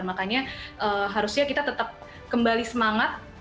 makanya harusnya kita tetap kembali semangat